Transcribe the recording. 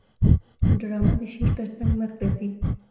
ډرامه د شعر ترڅنګ مخته ځي